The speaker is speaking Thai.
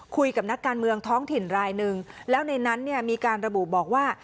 คุยกับนักการเมืองท้องถิ่นรายหนึ่งแล้วในนั้นเนี่ยมีการระบุบอกว่า